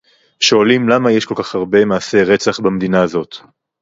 שואלים למה יש כל כך הרבה מעשי רצח במדינה הזאת